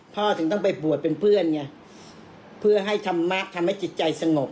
ถึงต้องไปบวชเป็นเพื่อนไงเพื่อให้ธรรมะทำให้จิตใจสงบ